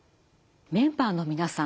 メンバーの皆さん